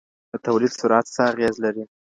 د توليد سرعت څه اغېز لري؟